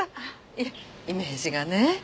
いえイメージがね。